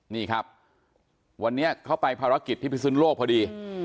นี่ครับวันนี้เขาไปภารกิจที่พิสุนโลกพอดี